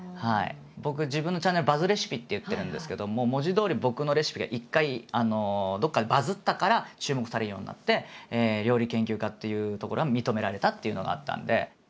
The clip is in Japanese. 僕自分のチャンネル「バズレシピ」って言ってるんですけども文字どおり僕のレシピが一回どこかでバズったから注目されるようになって料理研究家っていうところは認められたっていうのがあったんで。